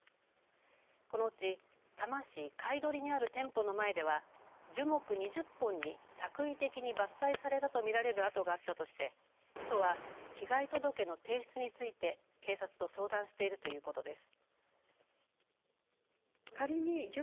このうち多摩市貝取にある店舗の前では樹木２０本に作為的に伐採されたと見られる跡があったとして都は被害届の提出について警察と相談しているということです。